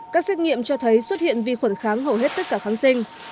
các xét nghiệm cho thấy xuất hiện vi khuẩn kháng hầu hết tất cả kháng sinh